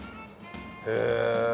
へえ。